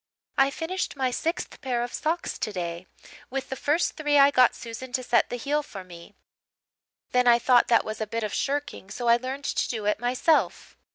"I finished my sixth pair of socks today. With the first three I got Susan to set the heel for me. Then I thought that was a bit of shirking, so I learned to do it myself.